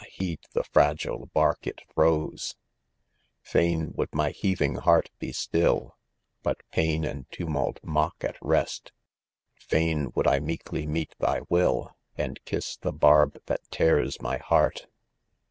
heed the fragile bark it throws I Fain would my heaving heart "be still — But painand tumult mock at rest : Fain would I meekly meet thy will, And kiss the barb that tears my heart.